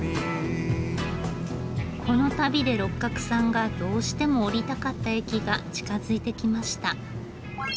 この旅で六角さんがどうしても降りたかった駅が近づいてきました。